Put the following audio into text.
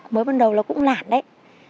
mới bắt đầu nó cũng lản đấy